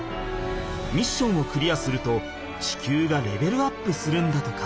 ミッションをクリアすると地球がレベルアップするんだとか。